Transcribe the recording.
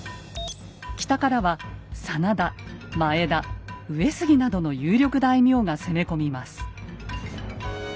北からは真田前田上杉などの有力大名が攻め込みます。